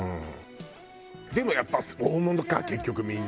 でもやっぱ大物か結局みんな。